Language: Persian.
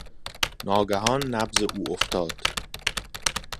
ناگهان نبض او افتاد.